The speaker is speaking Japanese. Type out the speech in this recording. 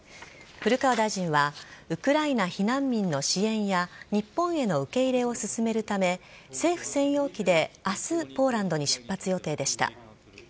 古川大臣はウクライナ避難民の支援や日本への受け入れを進めるため政府専用機で明日ポーランドに出発予定でした。